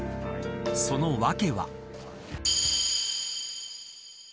その訳は。